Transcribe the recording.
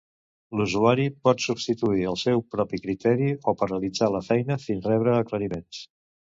L"usuari pot substituir el seu propi criteri o paralitzar la feina fins rebre aclariments.